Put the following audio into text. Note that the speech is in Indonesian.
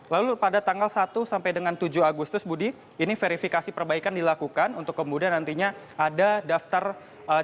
lalu pada tanggal satu sampai dengan tujuh agustus budi ini verifikasi perbaikan dilakukan untuk kemudian nantinya ada daftar calon